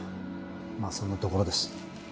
まあそんなところです。